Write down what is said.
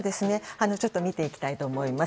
ちょっと見ていきたいと思います。